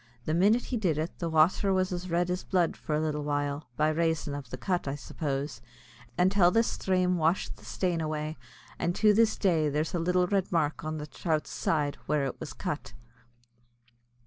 The minit he did, the wather was as red as blood for a little while, by rayson av the cut, I suppose, until the sthrame washed the stain away; and to this day there's a little red mark an the throut's side, where it was cut.